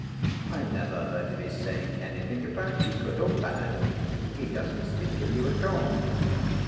"I never heard of his saying anything about you, good or bad. He doesn't speak of you at all."